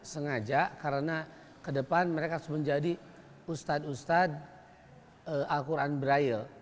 sengaja karena kedepan mereka harus menjadi ustad ustad al quran breile